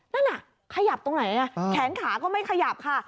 นั่นน่ะขยับตรงไหนแขนขาก็ไม่ขยับค่ะ